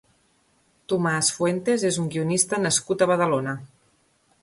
Tomàs Fuentes és un guionista nascut a Badalona.